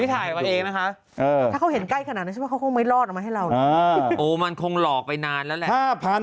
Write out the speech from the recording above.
ถ้าเขาเห็นใกล้ขนาดนี้ใช่ไหมเขาคงไม่รอดออกมาให้เรา